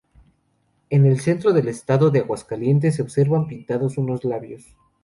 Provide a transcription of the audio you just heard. En el centro del Estado de Aguascalientes, se observan pintados unos labios.